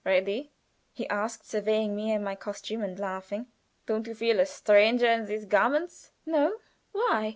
"Ready?" he asked, surveying me and my costume and laughing. "Don't you feel a stranger in these garments?" "No! Why?"